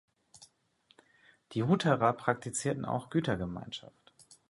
Die Hutterer praktizierten auch Gütergemeinschaft.